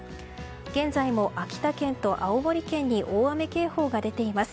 現在も秋田県と青森県に大雨警報が出ています。